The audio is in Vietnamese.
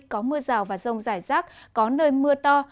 có mưa rào và rông rải rác có nơi mưa to